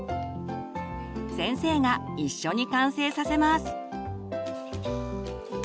先生が一緒に完成させます。